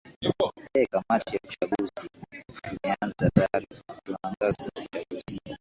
ee kamati ya uchaguzi imeanza tayari kuutangaza uchaguzi